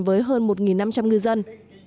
với hơn một năm trăm linh người dân